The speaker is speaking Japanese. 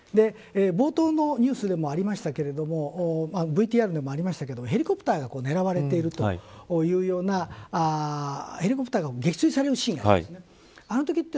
冒頭のニュースでもありましたけれどもＶＴＲでもありましたがヘリコプターが狙われているというようなヘリコプターが撃墜されるシーンがありました。